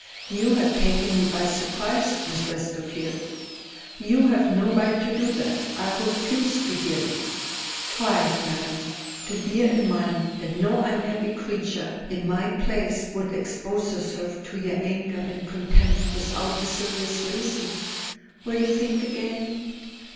"You have taken me by surprise, Miss Westerfield. You have no right to do that; I refuse to hear you." "Try, madam, to bear in mind that no unhappy creature, in my place, would expose herself to your anger and contempt without a serious reason. Will you think again?"